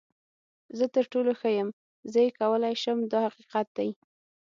زه تر ټولو ښه یم، زه یې کولی شم دا حقیقت دی.